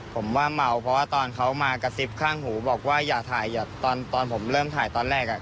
ผมว่าเมาเพราะว่าตอนเขามากระซิบข้างหูบอกว่าอย่าถ่ายอย่าตอนผมเริ่มถ่ายตอนแรก